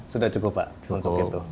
sudah cukup pak untuk itu